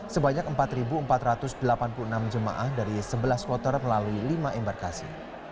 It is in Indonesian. sebanyak empat empat ratus delapan puluh enam jemaah dari sebelas kloter melalui lima embarkasi